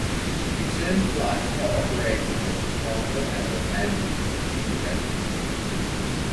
Return flights are operated from Chicago and Los Angeles to Nanjing.